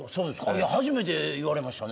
いや初めて言われましたね。